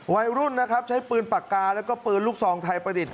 วัยรุ่นนะครับใช้ปืนปากกาแล้วก็ปืนลูกซองไทยประดิษฐ